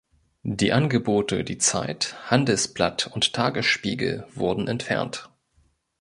Die Angebote "Die Zeit", "Handelsblatt" und "Tagesspiegel" wurden entfernt.